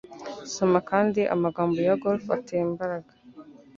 Soma kandi amagambo ya golf atera imbaraga.